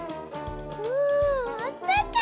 ああったかい！